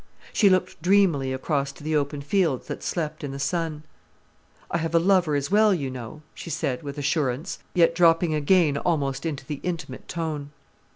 She looked dreamily across to the open fields that slept in the sun. "I have a lover as well, you know," she said, with assurance, yet dropping again almost into the intimate tone.